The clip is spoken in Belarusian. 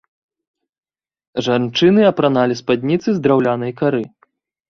Жанчыны апраналі спадніцы з драўлянай кары.